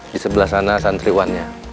di sebelah sana santriwannya